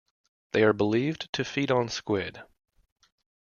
They are believed to feed on squid.